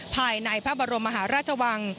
ภายในพระบรมมหาราชวัง